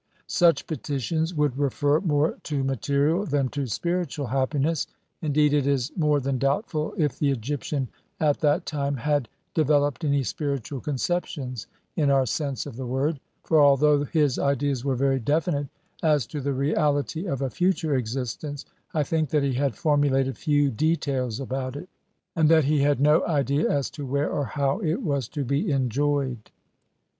Such petitions would refer more to ma terial than to spiritual happiness. Indeed it is more than doubtful if the Egyptian, at that time, had deve loped any spiritual conceptions, in our sense of the word ; for, although his ideas were very definite as to the reality of a future existence, I think that he had formulated few details about it, and that he had no idea as to where or how it was to be enjoyed. XL INTRODUC TION.